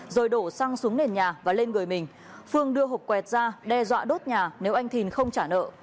rồi đổ xăng xuống nền nhà và lên người mình phương đưa hộp quẹt ra đe dọa đốt nhà nếu anh thìn không trả nợ